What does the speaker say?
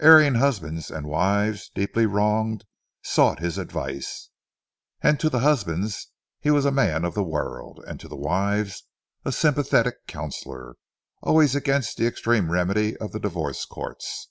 Erring husbands, and wives deeply wronged, sought his advice, and to the husbands he was a man of the world, and to the wives a sympathetic counsellor, always against the extreme remedy of the divorce courts.